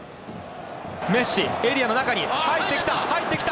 メッシエリアの中に入ってきた！